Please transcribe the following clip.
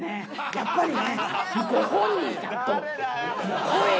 やっぱりね。